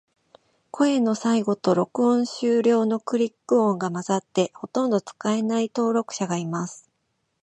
声の最後と、録音終了のクリック音が混ざって、ほとんど使えない登録者がいます。